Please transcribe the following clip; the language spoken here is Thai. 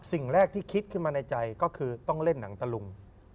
สิ่งแรกที่คิดขึ้นมาในใจก็คือต้องเล่นหนังตะลุง